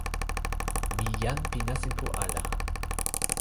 mi jan pi nasin pu ala.